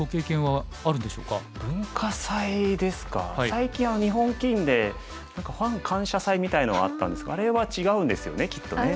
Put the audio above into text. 最近日本棋院で何かファン感謝祭みたいなのはあったんですがあれは違うんですよねきっとね。